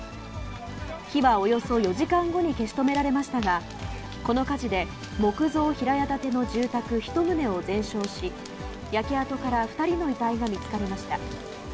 火はおよそ４時間後に消し止められましたが、この火事で木造平屋建ての住宅１棟を全焼し、焼け跡から２人の遺体が見つかりました。